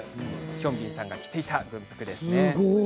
ヒョンビンさんが着ていた軍服ですね。